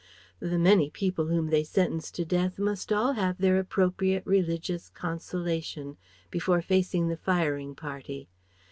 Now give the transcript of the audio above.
The many people whom they sentenced to death must all have their appropriate religious consolation before facing the firing party.